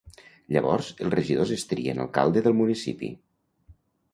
Llavors els regidors es trien alcalde del municipi.